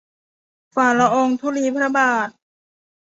ฝ่าละอองธุลีพระบาท